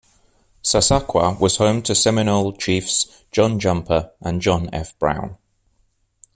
Sasakwa was home to Seminole Chiefs John Jumper and John F. Brown.